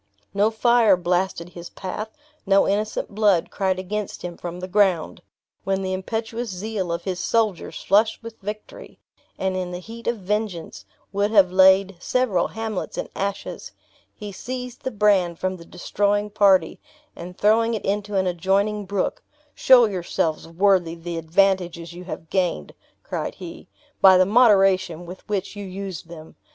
No fire blasted his path; no innocent blood cried against him from the ground! When the impetuous zeal of his soldiers, flushed with victory, and in the heat of vengeance, would have laid several hamlets in ashes, he seized the brand from the destroying party, and throwing it into an adjoining brook: "Show yourselves worthy the advantages you have gained," cried he, "by the moderation with which you use them.